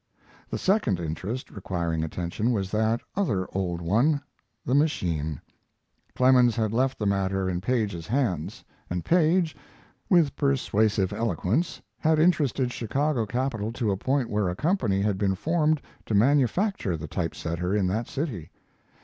The second interest requiring attention was that other old one the machine. Clemens had left the matter in Paige's hands, and Paige, with persuasive eloquence, had interested Chicago capital to a point where a company had been formed to manufacture the type setter in that city.